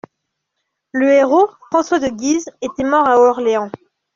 Le héros, François de Guise, était mort à Orléans.